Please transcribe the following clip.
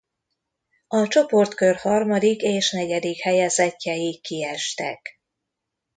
A csoportkör harmadik és negyedik helyezettjei kiestek.